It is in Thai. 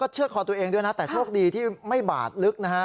เชือดขอตัวเองด้วยนะโทษที่ไม่บาดลึก